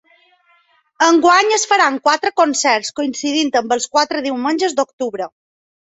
Enguany es faran quatre concerts, coincidint amb els quatre diumenges d’octubre.